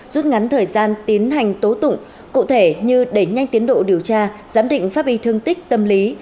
rút ngắn thời gian tiến hành tố tụng cụ thể như đẩy nhanh tiến độ điều tra giám định pháp y thương tích tâm lý